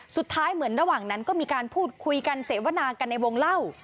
สุดท้ายเหมือนระหว่างนั้นก็มีการพูดคุยกันเสวนากันในวงเล่า